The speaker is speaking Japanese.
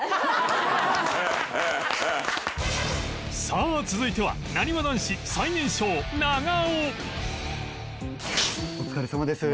さあ続いてはなにわ男子最年少お疲れさまです。